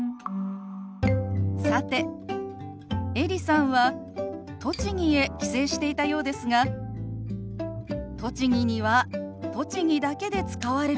さてエリさんは栃木へ帰省していたようですが栃木には栃木だけで使われる手話